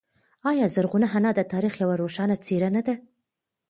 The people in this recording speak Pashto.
آیا زرغونه انا د تاریخ یوه روښانه څیره نه ده؟